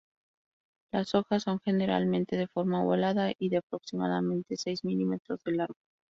Las hojas son generalmente de forma ovalada y de aproximadamente seis milímetros de largo.